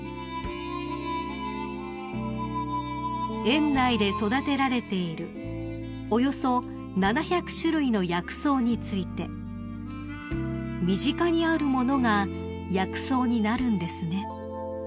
［園内で育てられているおよそ７００種類の薬草について「身近にある物が薬草になるんですね」